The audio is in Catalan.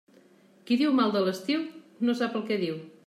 Qui diu mal de l'estiu, no sap el que diu.